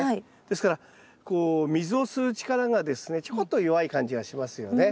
ですからこう水を吸う力がですねちょこっと弱い感じがしますよね。